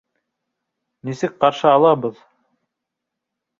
Нисек ҡаршы алабыҙ?